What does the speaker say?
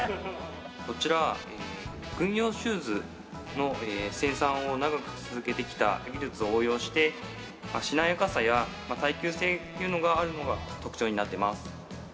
こちら軍用シューズの生産を長く続けてきた技術を応用してしなやかさや耐久性というのがあるのが特徴になってます。